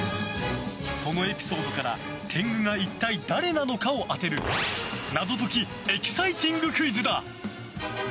そのエピソードから天狗が一体誰なのかを当てる謎解きエキサイティングクイズだ！